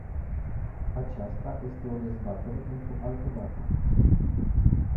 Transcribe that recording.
Aceasta este o dezbatere pentru altă dată.